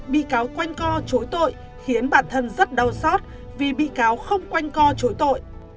bị cáo quanh co chối tội khiến bản thân rất đau xót vì bị cáo không quanh co chối tội